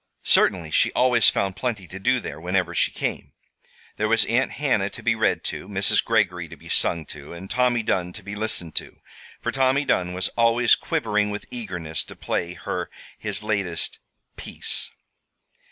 Certainly she always found plenty to do there, whenever she came. There was Aunt Hannah to be read to, Mrs. Greggory to be sung to, and Tommy Dunn to be listened to; for Tommy Dunn was always quivering with eagerness to play her his latest "piece."